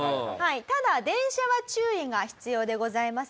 ただ電車は注意が必要でございます。